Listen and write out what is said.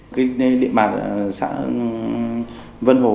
cái địa bàn xã vân hồ